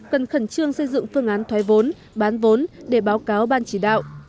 cần khẩn trương xây dựng phương án thoái vốn bán vốn để báo cáo ban chỉ đạo